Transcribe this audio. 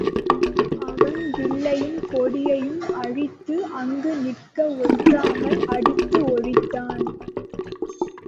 அவன் வில்லையும் கொடியையும் அழித்து அங்கு நிற்க ஒட்டாமல் அடித்து ஒழித்தான்.